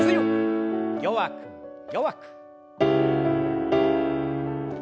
弱く弱く。